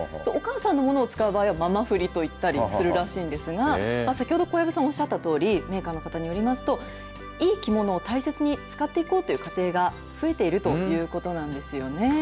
お母さんのものを使う場合は、ママ振りといったりするらしいんですが、先ほど、小籔さんおっしゃったとおり、メーカーの方によりますと、いい着物を大切に使っていこうという家庭が増えているということなんですよね。